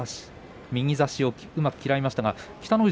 右差しをうまく嫌いました。